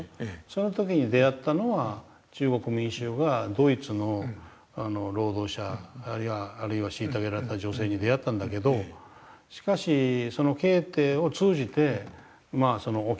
その時に出会ったのは中国民衆はドイツの労働者あるいは虐げられた女性に出会ったんだけどしかしそのケーテを通じて沖縄の人々に出会った。